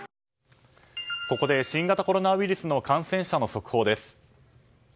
ここで新型コロナウイルスの感染者の速報です。